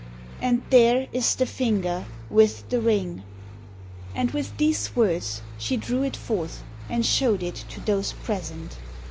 And there is the finger with the ring!" And with these words she drew it forth, and showed it to those present.